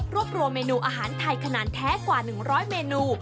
รวมเมนูอาหารไทยขนาดแท้กว่า๑๐๐เมนู